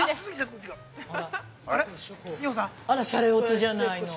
◆あれ、シャレオツじゃないの。